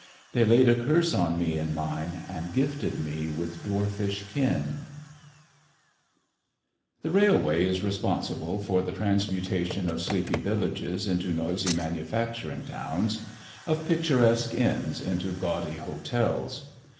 They laid a curse on me and mine. And gifted me with dwarfish kin. CHAPTER I THE FIDDLER THE railway is responsible for the transmutation of sleepy villages into noisy manufacturing towns; of picturesque inns into gaudy hotels.